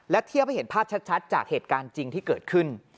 เทียบให้เห็นภาพชัดจากเหตุการณ์จริงที่เกิดขึ้น